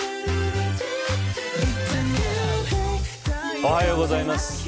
おはようございます。